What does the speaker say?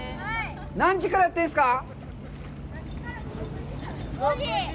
何時からやってるんですか。